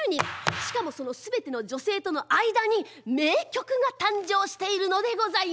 しかもその全ての女性との間に名曲が誕生しているのでございます。